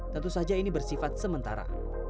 tentu saja ini bersifat sementara